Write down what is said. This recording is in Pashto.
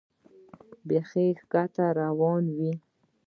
بیخي ښکته روان وې.